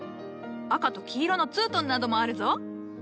赤と黄色のツートンなどもあるぞ。